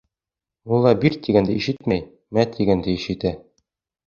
Мулла «бир» тигәнде ишетмәй, «мә» тигәнде ишетә.